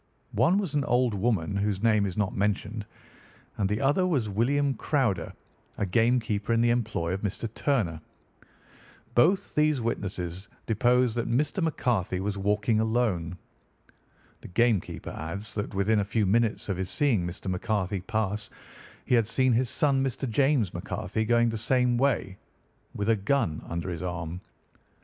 One was an old woman, whose name is not mentioned, and the other was William Crowder, a game keeper in the employ of Mr. Turner. Both these witnesses depose that Mr. McCarthy was walking alone. The game keeper adds that within a few minutes of his seeing Mr. McCarthy pass he had seen his son, Mr. James McCarthy, going the same way with a gun under his arm.